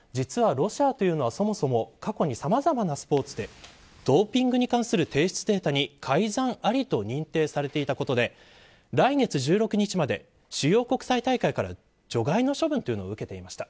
実はロシアというのはそもそも過去にさまざまなスポーツでドーピングに関する提出データに改ざんありと認定されていたことで来月１６日まで主要国際大会から除外の処分を受けていました。